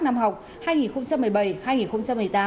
năm học hai nghìn một mươi bảy hai nghìn một mươi tám